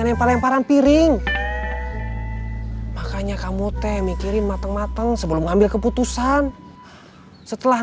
lempar lemparan piring makanya kamu teh mikirin mateng mateng sebelum ngambil keputusan setelah